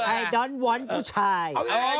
ไอดอนวอนด์ผู้ชาย